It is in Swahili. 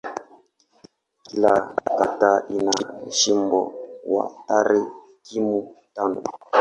Kila kata ina msimbo wa tarakimu tano.